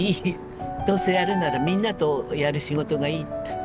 どうせやるならみんなとやる仕事がいいって。